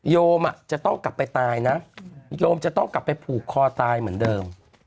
โยมจะต้องกลับไปตายนะโยมจะต้องกลับไปผูกคอตายเหมือนเดิม